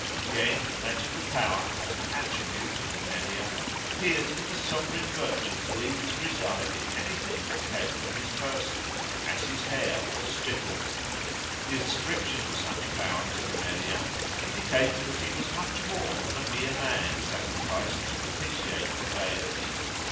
Again, magical power as an attribute of the Meriah appears in the sovereign virtue believed to reside in anything that came from his person, as his hair or spittle. The ascription of such power to the Meriah indicates that he was much more than a mere man sacrificed to propitiate a deity.